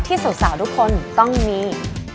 สาวทุกคนต้องมี